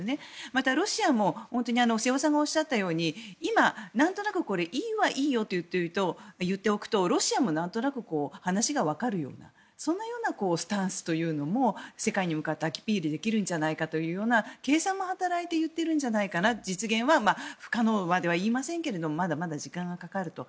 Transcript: また、ロシアも瀬尾さんがおっしゃったようになんとなくＥＵはいいよと言っておくとロシアもなんとなく話がわかるようなそんなスタンスというのも世界に向かってアピールできるんじゃないかというような計算も働いて言ってるんじゃないかな実現は不可能までは言いませんがまだまだ時間がかかると。